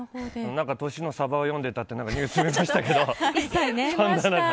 歳のさばを読んでたってニュースを見ましたけど。